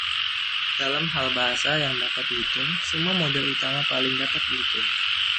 Dalam hal bahasa yang dapat dihitung, semua model utama paling dapat dihitung.